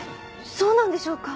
そうなんでしょうか。